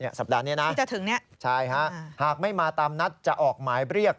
สัปดาห์นี้นะใช่ฮะหากไม่มาตามนัดจะออกหมายเรียก